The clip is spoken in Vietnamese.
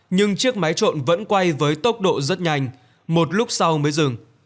nhưng chiếc máy trộn vẫn quay với tốc độ rất nhanh một lúc sau mới dừng